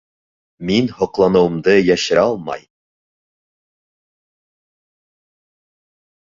Мин һоҡланыуымды йәшерә алмай: